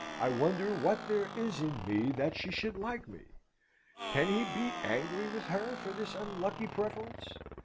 I wonder what there is in me that she should like me?" Can he be angry with her for this unlucky preference?